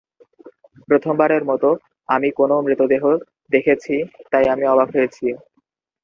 প্রথমবারের মতো আমি কোনও মৃতদেহ দেখেছি তাই আমি হতবাক হয়েছি।